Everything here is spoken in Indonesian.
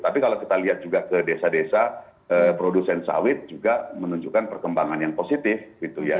tapi kalau kita lihat juga ke desa desa produsen sawit juga menunjukkan perkembangan yang positif gitu ya